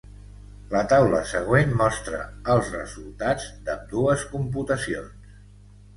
La taula següent mostra els resultats d'ambdues computacions.